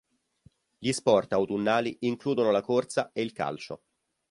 Gli sport autunnali includono la corsa e il calcio.